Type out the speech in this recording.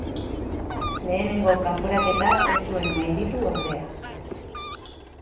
Lehenengo kanporaketa ez zuen gainditu ordea.